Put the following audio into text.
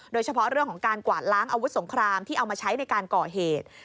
โดยเฉพาะเรื่องของการกวาดล้างอาวุธสงครามที่เอามาใช้ในการก่อเหตุ